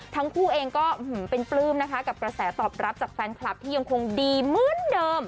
ทั้งคู่เองก็เป็นปลื้มนะคะกับกระแสตอบรับจากแฟนคลับที่ยังคงดีเหมือนเดิม